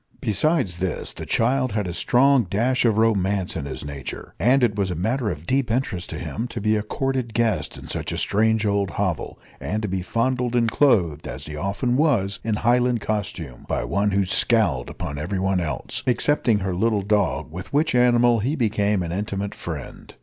Besides this, the child had a strong dash of romance in his nature, and it was a matter of deep interest to him to be a courted guest in such a strange old hovel, and to be fondled and clothed, as he often was, in Highland costume, by one who scowled upon everyone else excepting her little dog, with which animal he became an intimate friend.